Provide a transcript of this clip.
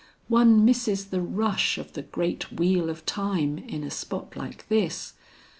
One misses the rush of the great wheel of time in a spot like this.